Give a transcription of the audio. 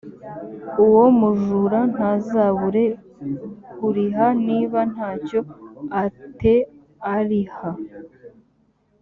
uwo mujura ntazabure kuriha niba nta cyo a te ariha